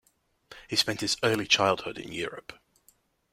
He spent his early childhood in Europe.